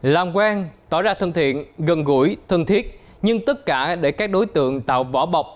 làm quen tỏ ra thân thiện gần gũi thân thiết nhưng tất cả để các đối tượng tạo vỏ bọc